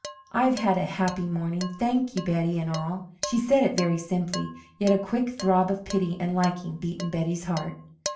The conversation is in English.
"I have had a happy morning, thank you, Betty and all." She said it very simply, yet a quick throb of pity and liking beat in Betty's heart.